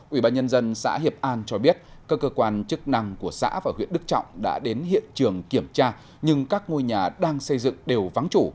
ủy ban nhân dân xã hiệp an cho biết các cơ quan chức năng của xã và huyện đức trọng đã đến hiện trường kiểm tra nhưng các ngôi nhà đang xây dựng đều vắng chủ